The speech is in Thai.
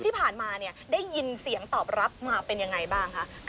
ที่ผ่านมาเนี่ยได้ยินเสียงตอบรับมาเป็นยังไงบ้างคะ